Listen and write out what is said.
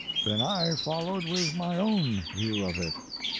Then I followed with my own view of it.